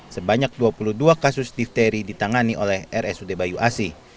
sebanyak dua puluh dua kasus difteri ditangani oleh rsud bayu asi